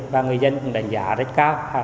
và người dân cũng đánh giá rất cao